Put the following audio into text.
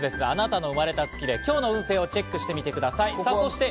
あなたの生まれた月で今日の運勢をチェックしてみてください。